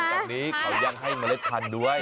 ต้องเป็นนี่เขายังให้เมล็ดพันธุ์ด้วย